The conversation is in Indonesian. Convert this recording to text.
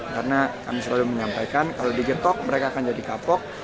karena kami selalu menyampaikan kalau digetok mereka akan jadi kapok